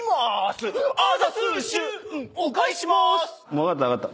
分かった分かった。